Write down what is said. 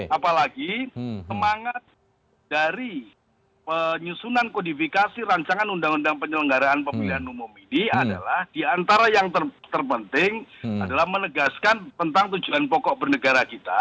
apalagi semangat dari penyusunan kodifikasi rancangan undang undang penyelenggaraan pemilihan umum ini adalah diantara yang terpenting adalah menegaskan tentang tujuan pokok bernegara kita